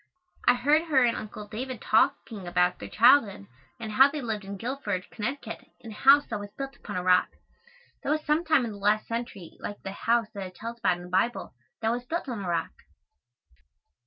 I heard her and Uncle David talking about their childhood and how they lived in Guilford, Conn., in a house that was built upon a rock. That was some time in the last century like the house that it tells about in the Bible that was built on a rock.